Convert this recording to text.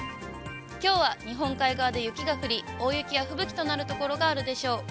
きょうは日本海側で雪が降り、大雪や吹雪となる所があるでしょう。